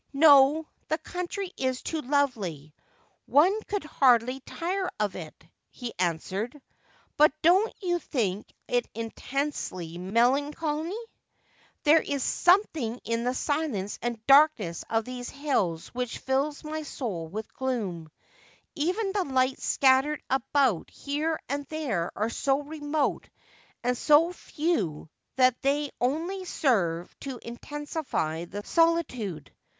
' No ; the country is too lovely, one could hardly tire of it.' he answered ;' but don't you think it intensely melancholy ? There is something in the silence and darkness of these hills which fills my soul with gloom. Even the lights scattered about here and there are so remote and so few that they only serve to intensify the solitude.